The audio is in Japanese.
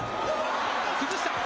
崩した。